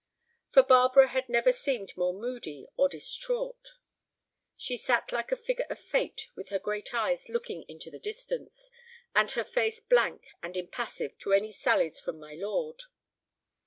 For Barbara had never seemed more moody or distraught. She sat like a figure of Fate with her great eyes looking into the distance, and her face blank and impassive to any sallies from my lord.